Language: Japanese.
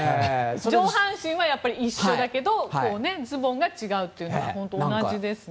上半身は一緒だけどズボンが違うというのが本当同じですね。